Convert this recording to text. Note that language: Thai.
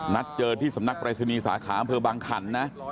นัดเจอที่สำนักปราศนีสาขาเผอร์บางขันนะ